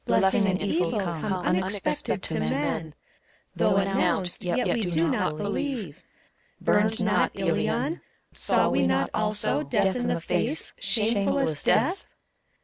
Blessing and evil come ' Unexpected to men : Though announced, yet we do not believe. Burned not Hion, saw we not also Death in the face, shamefullest death?